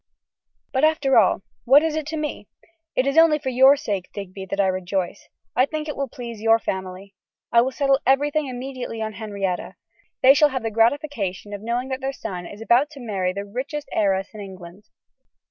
But, after all, what is it to me! It is only for your sake, Digby, that I rejoice. I think it will please your family. I will settle everything immediately on Henrietta. They shall have the gratification of knowing that their son is about to marry the richest heiress in England.